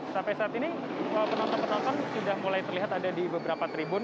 sampai saat ini penonton penonton sudah mulai terlihat ada di beberapa tribun